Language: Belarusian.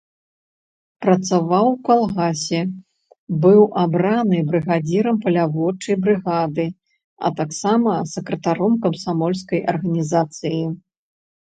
Працаваў у калгасе, быў абраны брыгадзірам паляводчай брыгады, а таксама сакратаром камсамольскай арганізацыі.